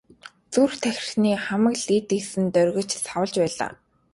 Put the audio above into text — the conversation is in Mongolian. Зүрх тархины хамаг л эд эс нь доргин савлаж байлаа.